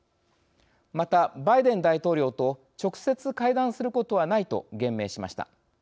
また、バイデン大統領と直接会談することはないと言明しました。